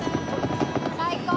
最高！